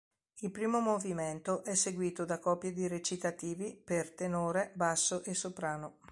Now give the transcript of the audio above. Il primo movimento è seguito da coppie di recitativi per tenore, basso e soprano.